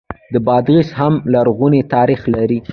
بادغیس هم لرغونی تاریخ لري